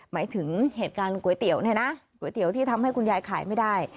หมายถึงเหตุการณ์ก๋วยเตี๋ยวนั่นที่ทำให้คุณยายขายไม่ได้